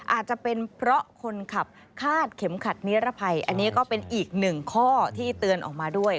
อาจจะเป็นเพราะคนขับคาดเข็มขัดนิรภัยอันนี้ก็เป็นอีกหนึ่งข้อที่เตือนออกมาด้วย